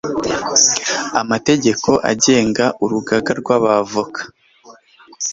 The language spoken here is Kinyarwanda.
amategeko agenga urugaga rw 'aba voka